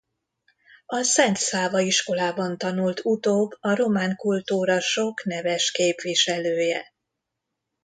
A Szent Száva iskolában tanult utóbb a román kultúra sok neves képviselője.